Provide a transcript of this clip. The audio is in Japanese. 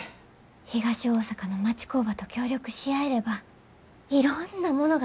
東大阪の町工場と協力し合えればいろんなものが作れます。